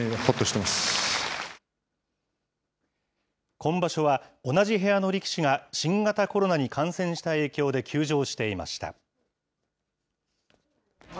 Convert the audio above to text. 今場所は、同じ部屋の力士が新型コロナに感染した影響で休場していました。